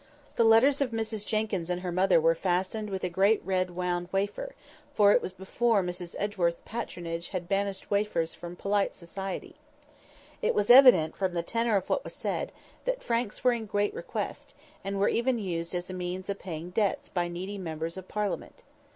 The letters of Mrs Jenkyns and her mother were fastened with a great round red wafer; for it was before Miss Edgeworth's "patronage" had banished wafers from polite society. It was evident, from the tenor of what was said, that franks were in great request, and were even used as a means of paying debts by needy members of Parliament.